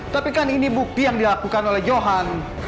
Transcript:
tapi kan ini bukti yang dilakukan oleh johan